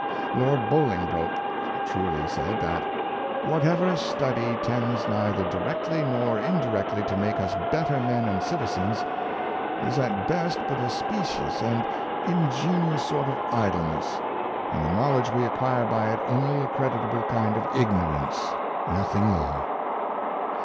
Lord Bolingbroke truly said that ^' Whatever study tends neither di rectly nor indirectly to make us better men and citizens, is at best but a specious and ingenious sort of idleness, and the knowledge we acquire by it only a creditable kind of ignorance — nothing more."